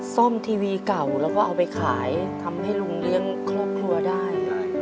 ซ่อมทีวีเก่าแล้วก็เอาไปขายทำให้ลุงเลี้ยงครอบครัวได้